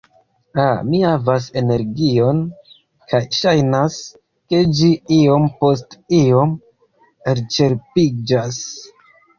Ha, mi havas energion, kaj ŝajnas, ke ĝi iom post iom elĉerpiĝas